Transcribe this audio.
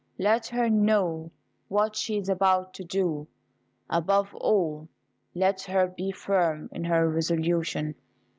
Let her know what she is about to do: above all, let her be firm in her resolution.